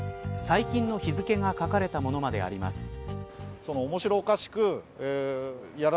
最近の日付が書かれたものまであります。